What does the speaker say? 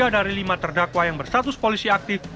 tiga dari lima terdakwa yang bersatus polisi aktif